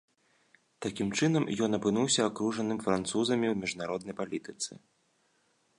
Такім чынам, ён апынуўся акружаным французамі ў міжнароднай палітыцы.